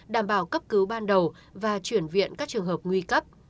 đảm bảo cấp cứu ban đầu và chuyển viện các trường hợp nguy cấp